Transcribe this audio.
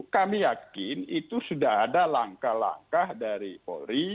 kami yakin itu sudah ada langkah langkah dari polri